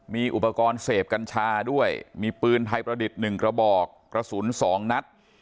มีอุปกรณ์เสพกัญชาด้วยมีปืนไทยประดิษฐ์๑กระบอกกระสุน๒นัด